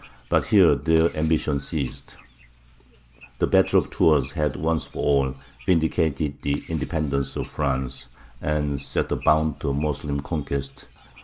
But here their ambition ceased. The battle of Tours had once for all vindicated the independence of France, and set a bound to the Moslem conquests.